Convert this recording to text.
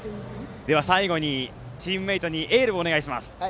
最後に、チームメートにエールをお願いします。